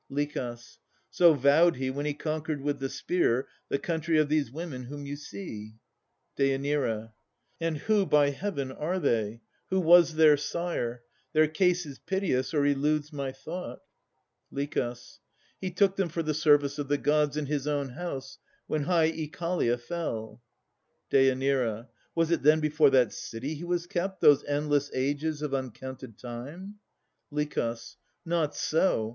LICH. So vowed he when he conquered with the spear The country of these women whom you see. DÊ. And who, by Heaven, are they? Who was their sire? Their case is piteous, or eludes my thought. LICH. He took them for the service of the Gods And his own house, when high Oechalia fell. DÊ. Was't then before that city he was kept Those endless ages of uncounted time? LICH. Not so.